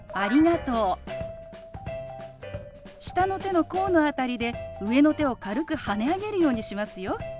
下の手の甲の辺りで上の手を軽くはね上げるようにしますよ。